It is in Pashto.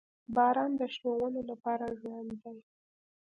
• باران د شنو ونو لپاره ژوند دی.